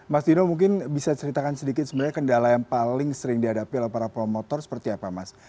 mas dino mungkin bisa ceritakan sedikit sebenarnya kendala yang paling sering dihadapi oleh para promotor seperti apa mas